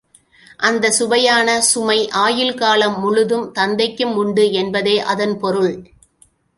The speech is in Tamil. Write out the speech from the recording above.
அந்தச் சுவையான சுமை ஆயுள்காலம் முழுதும் தந்தைக்கும் உண்டு என்பதே அதன் பொருள்.